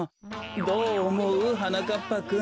どうおもう？はなかっぱくん。